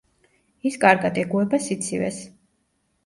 ის კარგად ეგუება სიცივეს.